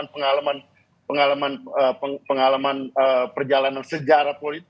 dan dalam pengalaman pengalaman perjalanan sejarah politik